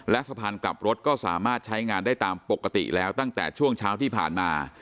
และสะพานกลับรถก็สามารถใช้งานได้ตามปกติแล้วตั้งแต่ช่วงเช้าที่ผ่านมา